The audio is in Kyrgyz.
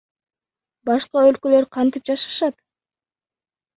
Башка өлкөлөр кантип жашашат?